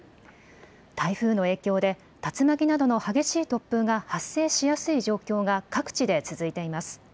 台風の影響で竜巻などの激しい突風が発生しやすい状況が各地で続いています。